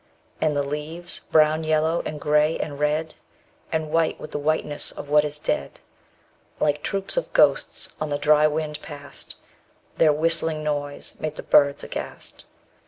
And the leaves, brown, yellow, and gray, and red, And white with the whiteness of what is dead, _35 Like troops of ghosts on the dry wind passed; Their whistling noise made the birds aghast.